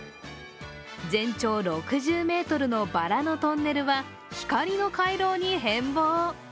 全長６０ｍのバラのトンネルは光の回廊に変貌。